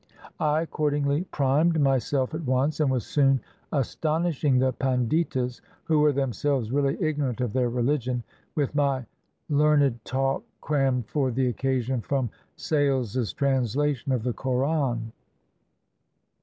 I accordingly "primed" myself at once, and was soon astonishing the panditas, who were themselves really ignorant of their rehgion, with my learned talk crammed for the occasion from Sales's translation of the Koran.